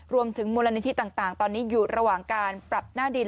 รวมถึงมูลนิธิต่างตอนนี้อยู่ระหว่างการปรับหน้าดิน